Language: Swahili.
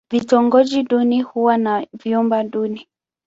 Vitongoji duni huwa na vyumba duni.